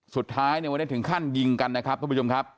สุดท้ายเนี่ยวันนี้ถึงขั้นยิงกันนะครับทุกผู้ชมครับ